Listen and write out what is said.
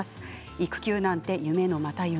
育休なんて夢のまた夢。